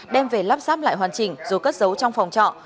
đem về lắp sáp lại hoàn chỉnh rồi cất giấu trong phòng trọ